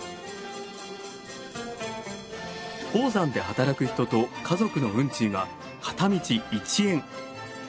鉱山で働く人と家族の運賃は片道１円。